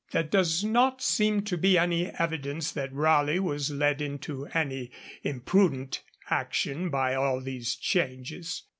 There does not seem to be any evidence that Raleigh was led into any imprudent action by all these changes.